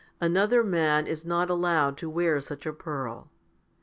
Another man is not allowed to wear such a pearl.